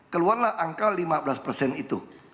keluarlah angka lima belas persen itu